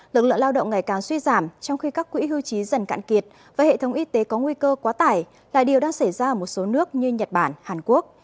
lực lượng lao động ngày càng suy giảm trong khi các quỹ hưu trí dần cạn kiệt và hệ thống y tế có nguy cơ quá tải là điều đang xảy ra ở một số nước như nhật bản hàn quốc